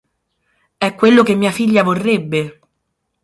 È quello che mia figlia vorrebbe.